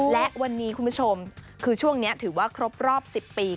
และวันนี้คุณผู้ชมคือช่วงนี้ถือว่าครบรอบ๑๐ปี